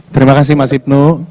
terima kasih mas ibnu